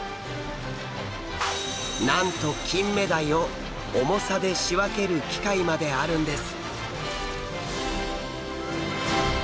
なんとキンメダイを重さで仕分ける機械まであるんです。